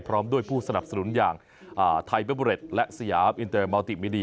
พร้อมด้วยผู้สนับสนุนอย่างไทยเบอร์เรดและสยามอินเตอร์มอลติมิดี